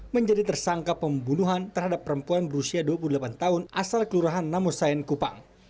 menjadi tersangka pembunuhan terhadap perempuan berusia dua puluh delapan tahun asal kelurahan namosain kupang